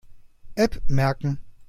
App merken.